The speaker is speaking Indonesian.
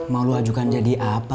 mau ajukan jadi apa